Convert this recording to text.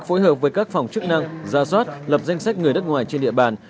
phối hợp với các phòng chức năng gia soát lập danh sách người nước ngoài trên địa bàn